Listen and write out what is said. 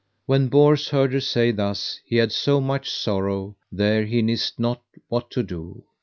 When Bors heard her say thus he had so much sorrow there he nist not what to do.